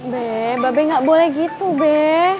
be babel gak boleh gitu be